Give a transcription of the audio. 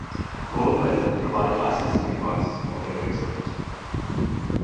Royal Mail provide licensing advice on their website.